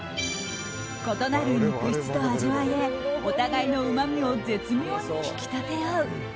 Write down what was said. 異なる肉質と味わいでお互いのうまみを絶妙に引き立て合う。